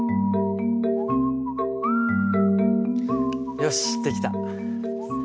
よしできた。